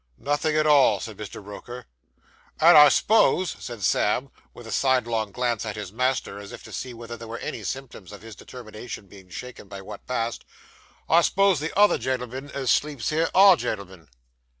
'Nothing at all,' said Mr. Roker. 'And I s'pose,' said Sam, with a sidelong glance at his master, as if to see whether there were any symptoms of his determination being shaken by what passed, 'I s'pose the other gen'l'men as sleeps here _are _gen'l'men.